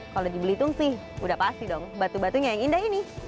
kalau di belitung sih udah pasti dong batu batunya yang indah ini